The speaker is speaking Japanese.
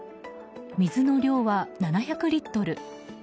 水の量は７００リットル。